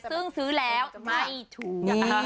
ซึ่งซื้อแล้วไม่ถูก